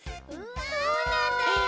そうなんだち。